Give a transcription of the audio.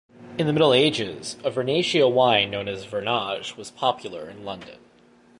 In the Middle Ages, a Vernaccia wine known as "Vernage" was popular in London.